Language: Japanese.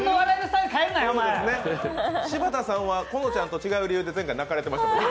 柴田さんは、このちゃんと違う理由で泣かれてましたね。